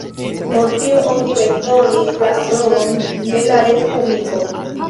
Por tio oni bezonis la aprobon de la Respubliko.